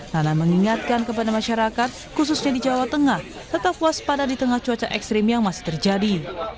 nana mengingatkan kepada masyarakat khususnya di jawa tengah tetap waspada di tengah cuaca ekstrim yang masih terjadi